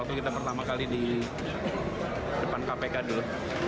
waktu kita pertama kali di depan kpk dulu